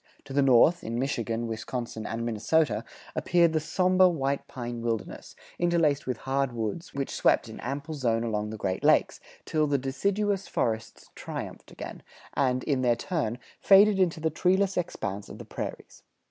To the north, in Michigan, Wisconsin, and Minnesota, appeared the somber white pine wilderness, interlaced with hard woods, which swept in ample zone along the Great Lakes, till the deciduous forests triumphed again, and, in their turn, faded into the treeless expanse of the prairies.